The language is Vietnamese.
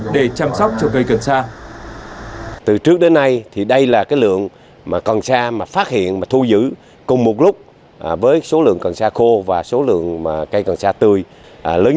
để chăm sóc trồng cây cần xa